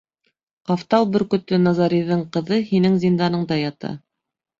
— Ҡафтау бөркөтө Назариҙың ҡыҙы һинең зинданыңда ята...